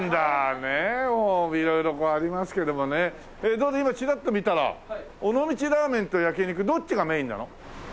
どう今チラッと見たら尾道ラーメンと焼肉どっちがメインなの？